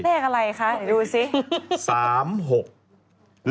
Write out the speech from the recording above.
เลขอะไรคะดูสิ